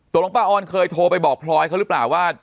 ป้าออนเคยโทรไปบอกพลอยเขาหรือเปล่าว่า